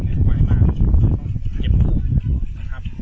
สวัสดีครับคุณผู้ชาย